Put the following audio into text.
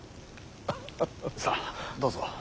さあどうぞ。